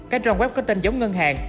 các trường web có tên giống ngân hàng